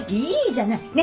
いいじゃない。